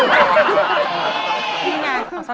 พี่ไงอ๋อสักหน่อย